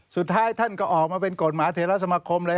สุดท้ายท่านก็ออกมาเป็นกฎหมายเทราสมคมเลย